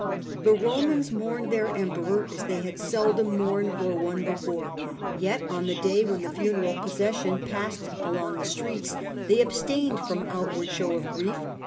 The Romans mourned their Emperor as they had seldom mourned for one before, yet on the day when the t the at procession passed along the streets ^efofhls they abstained from outward show of grief, subjects.